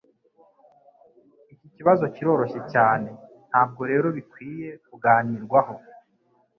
Iki kibazo kiroroshye cyane, ntabwo rero bikwiye kuganirwaho.